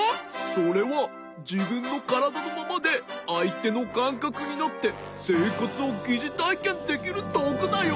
それはじぶんのからだのままであいてのかんかくになってせいかつをぎじたいけんできるどうぐだよ。